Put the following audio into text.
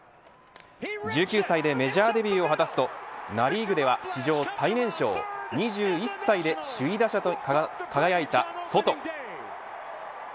１９歳でメジャーデビューを果たすとナ・リーグでは史上最年少２１歳で首位打者に輝いたソト。